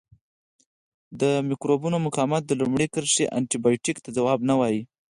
د مکروبونو مقاومت د لومړۍ کرښې انټي بیوټیکو ته ځواب نه وایي.